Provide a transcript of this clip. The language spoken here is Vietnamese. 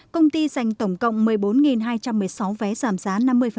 công ty dành tổng cộng một mươi bốn hai trăm một mươi sáu vé giảm giá năm mươi